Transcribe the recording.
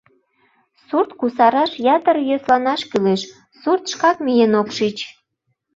Сурт кусараш ятыр йӧсланаш кӱлеш: сурт шкак миен ок шич.